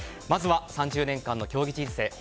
まずは３０年間の競技人生